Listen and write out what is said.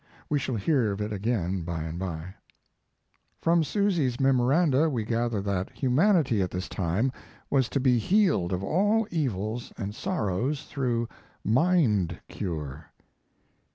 We shall hear of it again by and by. From Susy's memoranda we gather that humanity at this time was to be healed of all evils and sorrows through "mind cure."